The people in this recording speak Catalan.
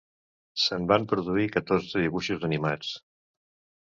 Se'n van produir catorze dibuixos animats.